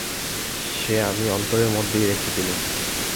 সে আমি অন্তরের মধ্যেই রেখে দিলুম।